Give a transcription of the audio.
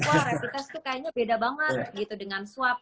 wah rapid test itu kayaknya beda banget gitu dengan swab